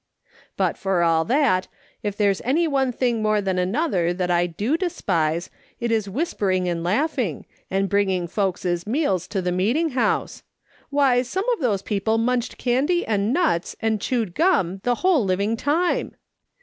" But for all that, if there's any one thing more than another that I do despise, it is whispering and laughing, and bringing folks' meals to the meeting house ? Why, some of those people munched candy and nuts and chewed gum the whole living time.